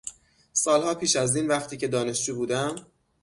سالها پیش از این، وقتی که دانشجو بودم